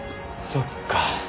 そっか。